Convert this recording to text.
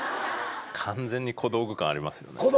完全に小道具感ありますよね。